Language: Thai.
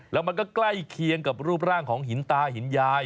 แล้วมันก็ใกล้เคียงกับรูปร่างของหินตาหินยาย